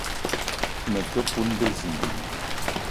Me te poun bezimbi